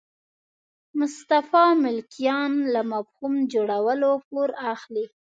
مصطفی ملکیان له مفهوم جوړولو پور اخلي.